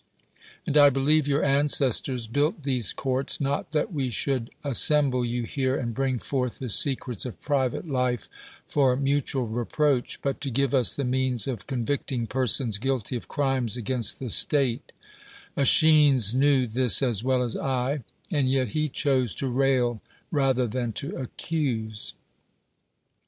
And I believe your ancestors built these courts, not that we should assemble you here and bring forth the secrets of private life for mutual reproach, but to give us the means of con victing persons guilty of crimes against the state, ^schines knew this as well as I, and yet he chose to rail rather than to accuse.